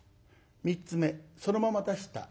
３つ目そのまま出した。